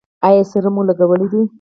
ایا سیروم مو لګولی دی؟